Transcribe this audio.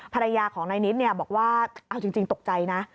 ภรรยาของนายนิดบอกว่าเอาจริงตกใจนะ